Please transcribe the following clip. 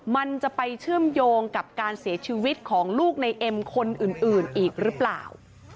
มันจะไปเชื่อมโยงกับการเสียชีวิตของลูกในเอ็มคนอื่นอีกหรือเปล่า